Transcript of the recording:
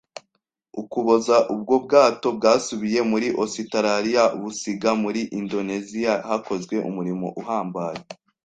Ukuboza ubwo bwato bwasubiye muri Ositaraliya busiga muri Indoneziya hakozwe umurimo uhambaye